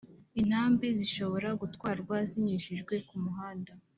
Intambi zishobora gutwarwa zinyujijwe ku muhanda